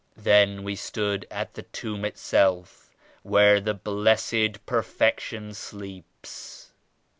Then we stood at the Tomb itself where the Blessed Perfection sleeps.